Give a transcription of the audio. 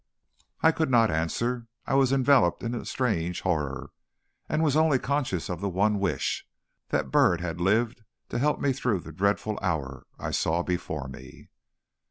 I could not answer. I was enveloped in a strange horror, and was only conscious of the one wish that Burritt had lived to help me through the dreadful hour I saw before me.